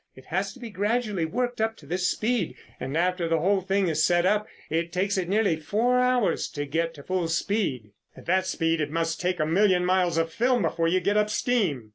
It has to be gradually worked up to this speed, and after the whole thing is set up, it takes it nearly four hours to get to full speed." "At that speed, it must take a million miles of film before you get up steam."